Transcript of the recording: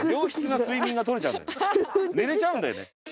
寝れちゃうんだよね。